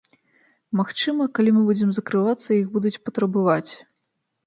Магчыма, калі мы будзем закрывацца, іх будуць патрабаваць.